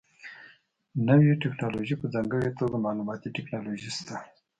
نوې ټکنالوژي په ځانګړې توګه معلوماتي ټکنالوژي شته.